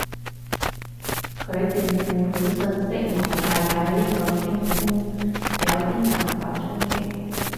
佢段付款訊息用太太呢個稱呼，有啲文化衝擊